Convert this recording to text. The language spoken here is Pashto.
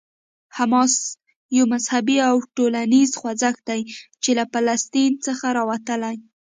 حماس یو مذهبي او ټولنیز خوځښت دی چې له فلسطین څخه راوتلی.